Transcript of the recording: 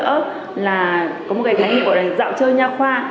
giúp đỡ là có một cái cái gì gọi là dạo chơi nha khoa